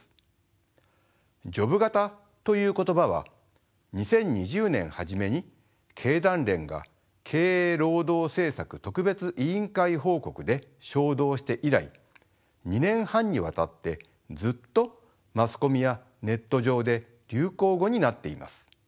ジョブ型という言葉は２０２０年初めに経団連が「経営労働政策特別委員会報告」で唱道して以来２年半にわたってずっとマスコミやネット上で流行語になっています。